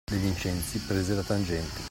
De Vincenzi prese la tangente.